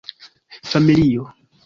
Familio.